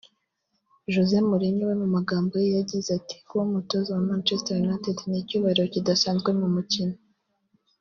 José Mourinho we mu magambo ye yagize ati “Kuba umutoza wa Manchester United ni icyubahiro kidasanzwe mu mukino